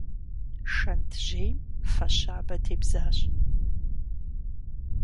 Шэнт жьейм фэ щабэ тебзащ.